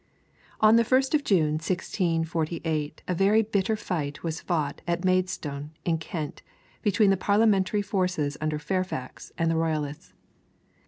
On the 1st of June 1648 a very bitter fight was fought at Maidstone, in Kent, between the Parliamentary forces under Fairfax and the Royalists.